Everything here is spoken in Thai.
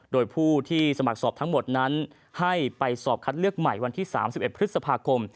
โดยผู้ที่สมัครสอบทั้งหมดนั้นให้ไปสอบคัดเลือกใหม่วันที่๓๑พฤษภาคม